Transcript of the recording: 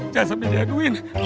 jangan sampai jagoin